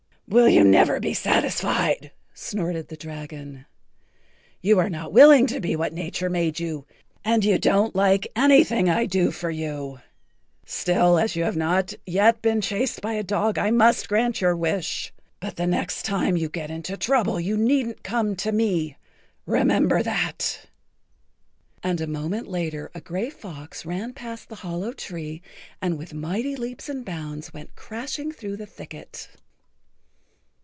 "Will you never be satisfied?" snorted the dragon. "You are not willing to be what nature made you and you don't like anything I do for you. Still, as you have not yet been chased by a dog, I must grant your wish. But the next time you get into trouble you needn't come to me—remember that!" And a moment later a gray fox ran past the hollow tree and with mighty leaps and bounds went crashing through the thicket.